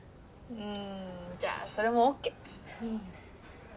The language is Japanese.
うんじゃそれもＯＫ。